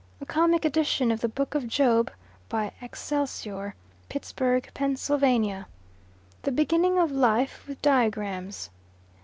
A comic edition of the book of Job, by "Excelsior," Pittsburgh, Pa. "The Beginning of Life," with diagrams.